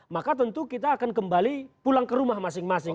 maka tentu kita akan kembali pulang ke rumah masing masing